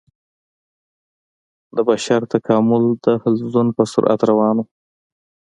د بشر تکامل د حلزون په سرعت روان و.